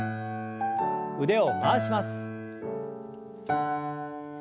腕を回します。